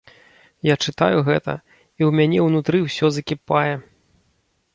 Я чытаю гэта, і ў мяне ўнутры ўсё закіпае.